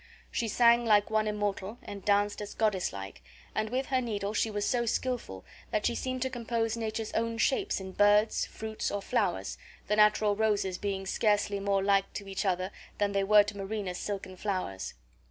She sang like one immortal, and danced as goddess like, and with her needle she was so skilful that she seemed to compose nature's own shapes in birds, fruits, or flowers, the natural roses being scarcely more like to each other than they were to Marina's silken flowers.